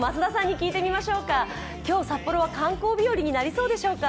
今日、札幌は観光日よりになりそうでしょうか？